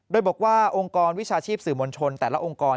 โดยบอกว่าองค์กรวิชาชีพสื่อมวลชนแต่ละองค์กร